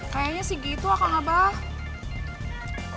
kayaknya sih gitu kakak ngabah